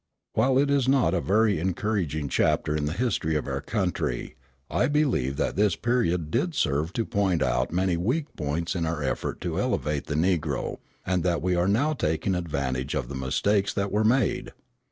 While it is not a very encouraging chapter in the history of our country, I believe that this period did serve to point out many weak points in our effort to elevate the Negro, and that we are now taking advantage of the mistakes that were made.